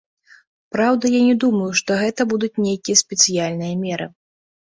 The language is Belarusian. Праўда, я не думаю, што гэта будуць нейкія спецыяльныя меры.